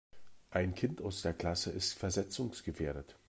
Ein Kind aus der Klasse ist versetzungsgefährdet.